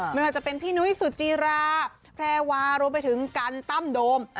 ไม่ว่าจะเป็นพี่นุ้ยสุจิราแพรวารวมไปถึงกันตั้มโดม